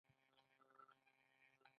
عادي بودیجه د یو وخت لپاره وي.